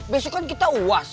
besok kan kita uas